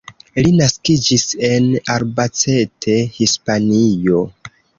Li naskiĝis en Albacete, Hispanio.